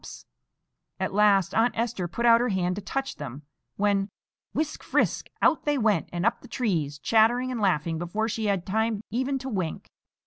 [Picture: Venturous Squirrels] At last Aunt Esther put out her hand to touch them, when, whisk frisk, out they went, and up the trees, chattering and laughing before she had time even to wink.